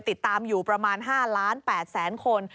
ติดตามอยู่ประมาณ๕ล้าน๘แสนคน